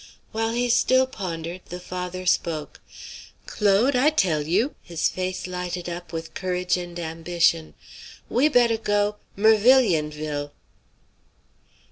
While he still pondered, the father spoke. "Claude, I tell you!" his face lighted up with courage and ambition. "We better go Mervilionville!"